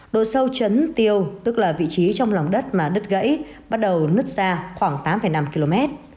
độ sâu trấn tiêu tức là vị trí trong lòng đất mà đất gãy bắt đầu nứt ra khoảng tám năm km